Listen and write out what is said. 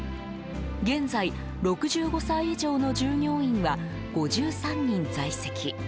現在、６５歳以上の従業員は５３人在籍。